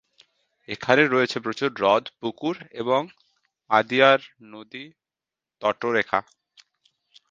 এখানে রয়েছে প্রচুর হ্রদ, পুকুর এবং আদিয়ার নদীর তটরেখা।